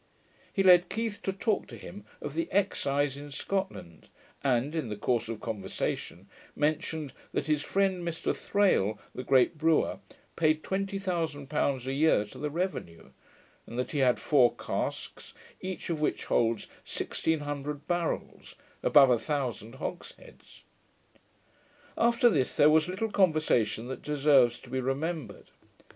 He led Keith to talk to him of the Excise in Scotland, and, in the course of conversation, mentioned that his friend Mr Thrale, the great brewer, paid twenty thousand pounds a year to the revenue; and that he had four casks, each of which holds sixteen hundred barrels above a thousand hogsheads. After this there was little conversation that deserves to be remembered.